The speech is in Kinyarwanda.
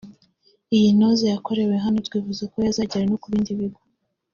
Iyi Noza yakorewe hano twifuza ko yazagera no ku bindi bigo